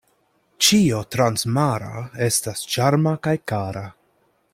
Ĉio transmara estas ĉarma kaj kara.